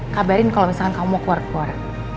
kabarin kalau misalkan kamu mau keluar keluar